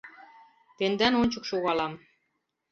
Тендан ончык шогалам: